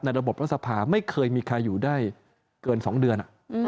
ระบบรัฐสภาไม่เคยมีใครอยู่ได้เกิน๒เดือน